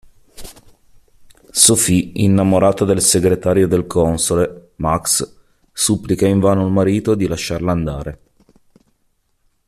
Sophie, innamorata del segretario del console, Max, supplica invano il marito di lasciarla andare.